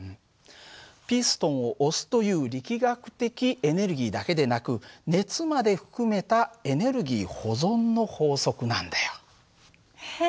ピストンを押すという力学的エネルギーだけでなく熱まで含めたエネルギー保存の法則なんだよ。えっ？